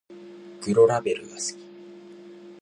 黒ラベルが好き